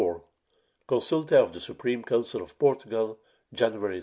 CONSULTA OF THE SUPREME COUNCIL OF PORTUGAL, JANUARY 17, 1619.